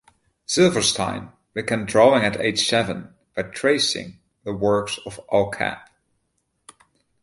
Silverstein began drawing at age seven by tracing the works of Al Capp.